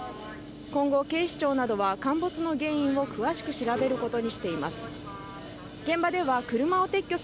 今後、警視庁などは陥没の原因を詳しく調べることにしています。